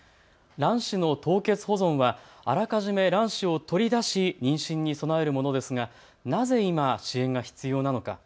卵子の凍結保存はあらかじめ卵子を取り出し妊娠に備えるものですが、なぜ今支援が必要なのか。